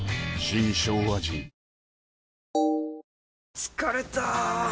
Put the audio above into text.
疲れた！